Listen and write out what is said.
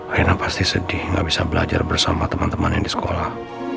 rena pasti sedih gak bisa belajar bersama teman temannya di sekolah